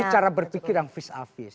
cara berpikir yang vis a vis